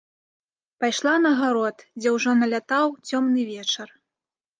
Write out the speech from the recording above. Пайшла на гарод, дзе ўжо налятаў цёмны вечар.